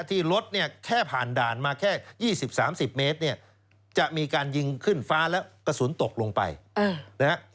ที่รถเนี่ยแค่ผ่านด่านมาแค่๒๐๓๐เมตรเนี่ยจะมีการยิงขึ้นฟ้าแล้วกระสุนตกลงไปนะฮะ